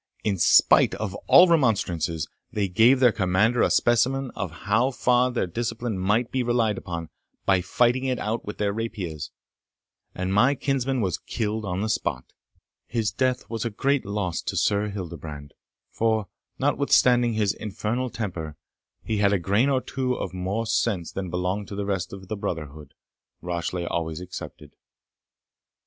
In spite of all remonstrances, they gave their commander a specimen of how far their discipline might be relied upon, by fighting it out with their rapiers, and my kinsman was killed on the spot. His death was a great loss to Sir Hildebrand, for, notwithstanding his infernal temper, he had a grain or two of more sense than belonged to the rest of the brotherhood, Rashleigh always excepted.